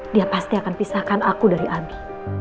dia pasti akan pisahkan aku dari abi